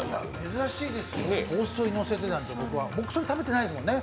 珍しいですよね、トーストにのせてなんで、僕、それ、食べてないですもんね？